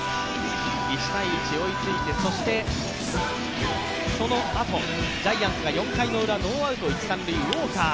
１−１追いついて、そしてそのあとジャイアンツが４回ウラでウォーカー。